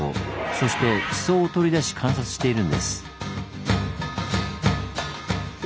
そして地層を取り出し観察しているんです。